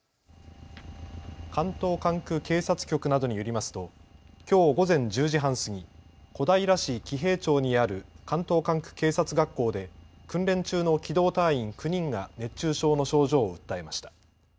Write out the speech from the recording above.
関東管区警察局などによりますときょう午前１０時半過ぎ、小平市喜平町にある関東管区警察学校で訓練中の機動隊員９人が熱中症の症状を訴えました。